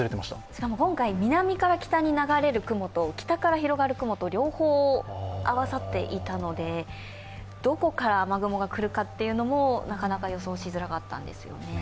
しかも今回、南から北に流れる雲と、北に広がる雲と両方合わさっていたのでどこから雨雲が来るかというのも、なかなか予想しづらかったんですよね。